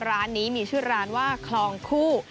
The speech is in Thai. ร้านนี้มีชื่อร้านว่าคลองคู่